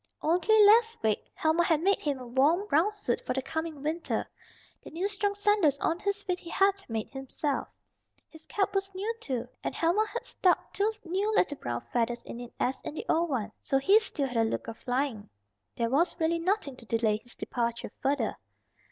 Only last week Helma had made him a warm brown suit for the coming winter. The new strong sandals on his feet he had made himself. His cap was new, too, and Helma had stuck two new little brown feathers in it as in the old one; so he still had a look of flying. There was really nothing to delay his departure further.